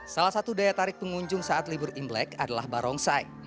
salah satu daya tarik pengunjung saat libur imlek adalah barongsai